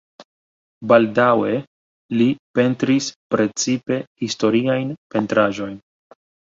Baldaŭe li pentris precipe historiajn pentraĵojn.